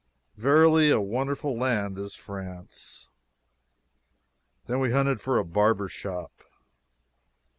Verily, a wonderful land is France! Then we hunted for a barber shop.